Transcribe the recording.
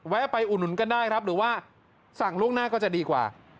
ไปอุดหนุนกันได้ครับหรือว่าสั่งล่วงหน้าก็จะดีกว่า